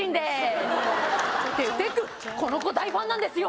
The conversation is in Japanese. この子大ファンなんですよ